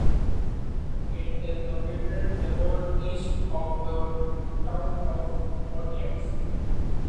It is located about east of the town of Oatlands.